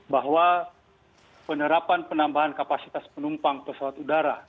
bahwa penerapan penambahan kapasitas penumpang pesawat udara